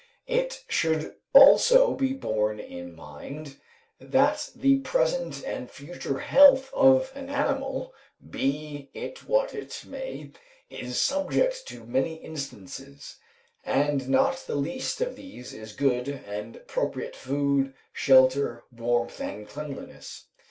It should also be borne in mind, that the present and future health of an animal, be it what it may, is subject to many incidences, and not the least of these is good and appropriate food, shelter, warmth, and cleanliness.